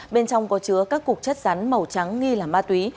bên trong có chứa các cục chất rắn màu trắng nghi là ma túy